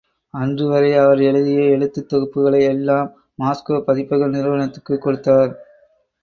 அன்று வரை அவர் எழுதிய எழுத்துத் தொகுப்புகளை எல்லாம் மாஸ்கோ பதிப்பக நிறுவனத்துக்குக் கொடுத்தார்.